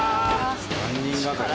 ３人掛かり。